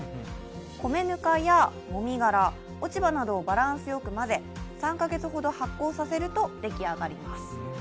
米ぬかやもみ殻、落ち葉などをバランスよく混ぜ、３カ月ほど発酵させると出来上がります。